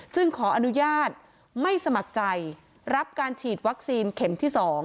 ขออนุญาตไม่สมัครใจรับการฉีดวัคซีนเข็มที่๒